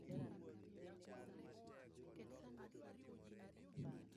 Stima oseduogo koro wanyalo goyo pas